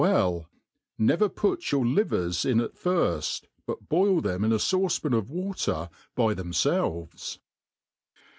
B* Never put your livers in at firft, but boil them in t fauce*pan of water by themfelves.